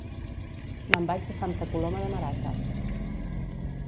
Me'n vaig a Santa Coloma de Marata